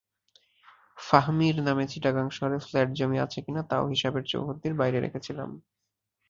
ফাহমির নামে চিটাগাং শহরে ফ্ল্যাট-জমি আছে কিনা তাও হিসাবের চৌহদ্দির বাইরে রেখেছিলাম।